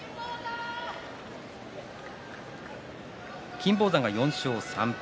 金峰山が４勝３敗